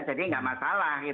jadi tidak masalah